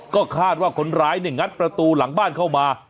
ก็คาดว่าคนร้ายเนี่ยงัดประตูหลังบ้านเข้ามา